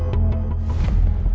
sampai jumpa lagi